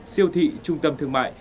siêu thị trung tâm thương mại